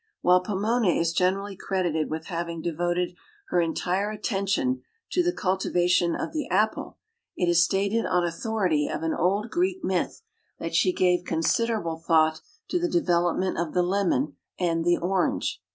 While Pomona is generally credited with having devoted her entire attention to the cultivation of the apple, it is stated on authority of an old Greek myth, that she gave considerable thought to the development of the Lemon and the orange.